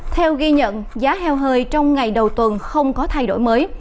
theo ghi nhận giá heo hơi trong ngày đầu tuần không có thay đổi mới